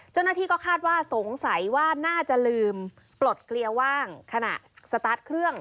เจ้าหน้าที่ก็คาดว่าสงสัยว่าน่าจะลืมปลดเกลียว่างขณะสตาร์ทเครื่อง